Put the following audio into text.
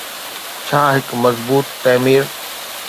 ڇا هڪ مضبوط تعمير.